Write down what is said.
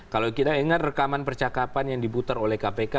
kalau kita ingat rekaman percakapan yang diputar oleh kpk